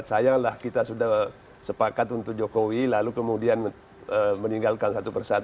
sayanglah kita sudah sepakat untuk jokowi lalu kemudian meninggalkan satu persatu